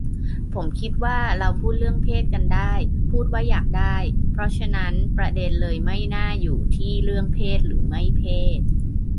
ผมคิดว่าเราพูดเรื่องเพศกันได้ พูดว่าอยากได้ เพราะฉะนั้นประเด็นเลยไม่น่าอยู่ที่เรื่องเพศหรือไม่เพศ